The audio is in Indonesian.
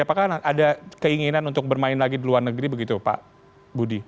apakah ada keinginan untuk bermain lagi di luar negeri begitu pak budi